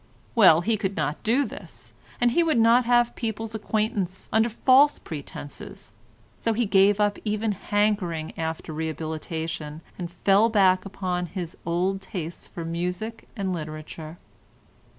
Well, he could not do this, and he would not have people's acquaintance under false pretences, so he gave up even hankering after rehabilitation and fell back upon his old tastes for music and literature.